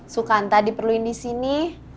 sukanta diperluin di sini